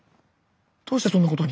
どうしてそんなことに。